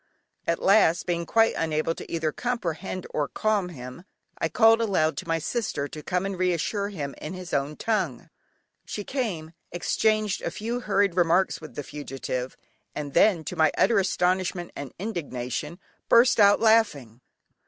At last, being quite unable to either comprehend or calm him, I called aloud to my sister to come and reassure him in his own tongue. She came, exchanged a few hurried remarks with the fugitive, and then, to my utter astonishment and indignation, burst out laughing.